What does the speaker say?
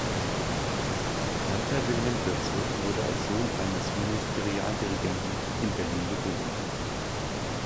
Walter Wilhelm Goetze wurde als Sohn eines Ministerialdirigenten in Berlin geboren.